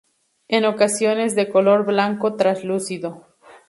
En ocasiones de color blanco translúcido.